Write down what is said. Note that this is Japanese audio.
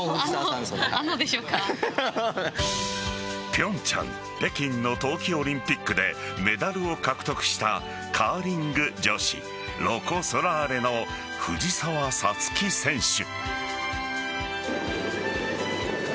平昌、北京の冬季オリンピックでメダルを獲得したカーリング女子ロコ・ソラーレの藤澤五月選手。